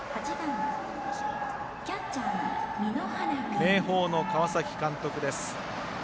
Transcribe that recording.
明豊の川崎監督です。